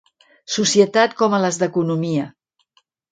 Societat com a les d'Economia.